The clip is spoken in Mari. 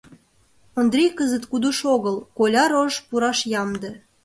Ондрий кызыт кудыш огыл, коля рожыш пураш ямде.